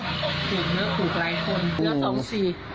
สี่งเลือกคู่ไกลคนเครื่องละสองสี่